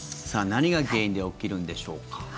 何が原因で起きるんでしょうか？